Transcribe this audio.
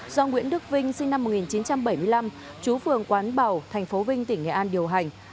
do nguyễn đức vinh sinh năm một nghìn chín trăm bảy mươi năm chú phường quán bảo thành phố vinh tỉnh nghệ an điều hành